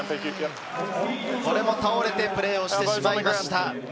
これも倒れてプレーをしてしまいました。